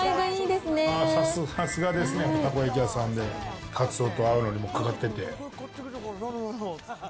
さすがですね、たこ焼き屋さんで、かつおと青のりもかかってて。